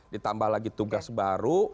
ditambah lagi tugas baru